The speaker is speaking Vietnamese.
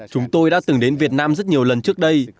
chúng tôi đã từng đến việt nam rất nhiều lần trước đây